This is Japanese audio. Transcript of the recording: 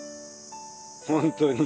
本当に。